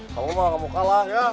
kamu mah kamu kalah ya